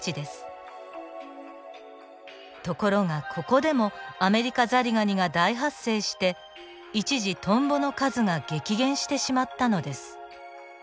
ところがここでもアメリカザリガニが大発生して一時トンボの数が激減してしまったのです。